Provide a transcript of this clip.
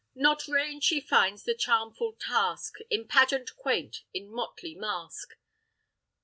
Not rain she finds the charmful task, In pageant quaint, in motley mask.